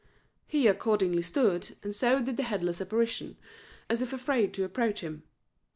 He accordingly stood, and so did the headless apparition, as if afraid to approach him.